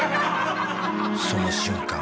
その瞬間